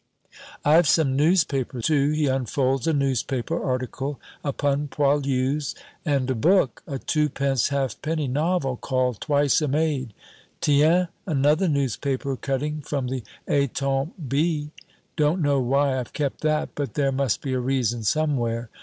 "I've some newspaper too" he unfolds a newspaper article upon poilus "and a book" a twopence half penny novel, called Twice a Maid "Tiens, another newspaper cutting from the Etampes Bee. Don't know why I've kept that, but there must be a reason somewhere.